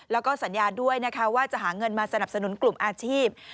แล้วก็สัญญาด้วยนะคะว่าจะหาเงินมาสนับสนุนกลุ่มอาชีพ